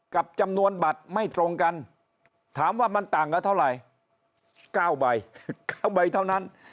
กับจำนวนบัตรไม่ตรงกันถามว่ามันต่างกันเท่าไหร่๙ใบ๙ใบเท่านั้น